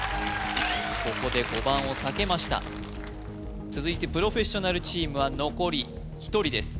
ここで５番を避けました続いてプロフェッショナルチームは残り１人です